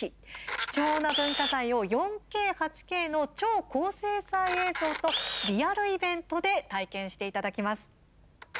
貴重な文化財を４Ｋ８Ｋの超高精細映像とリアルイベントで体験していただきます。